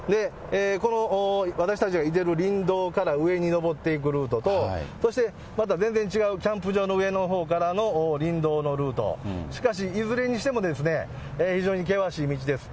この私たちがいてる林道から上に上っていくルートと、そしてまた全然違うキャンプ場の上のほうからの林道のルート、しかしいずれにしても、非常に険しい道です。